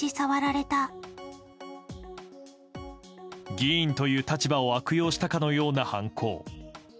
議員という立場を悪用したかのような犯行。